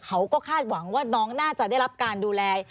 เขาก็คาดหวังว่าน้องน่าจะได้รับการดูแล